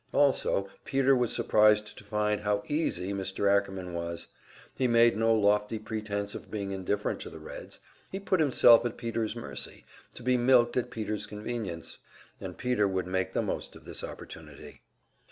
Also Peter was surprised to find how "easy" Mr. Ackerman was. He made no lofty pretence of being indifferent to the Reds. He put himself at Peter's mercy, to be milked at Peter's convenience. And Peter would make the most of this opportunity.